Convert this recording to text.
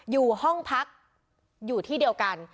อยู่ห้องพักอยู่ที่เดียวกัน